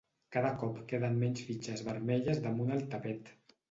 Cada cop queden menys fitxes vermelles damunt el tapet.